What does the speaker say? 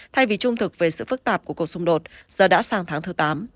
thay vì trung thực về sự phức tạp của cuộc xung đột do đã sang tháng thứ tám